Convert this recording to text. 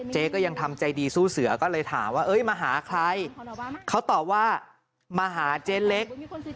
ก็ยังทำใจดีสู้เสือก็เลยถามว่ามาหาใครเขาตอบว่ามาหาเจ๊เล็ก